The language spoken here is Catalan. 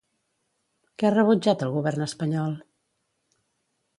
Què ha rebutjat el Govern espanyol?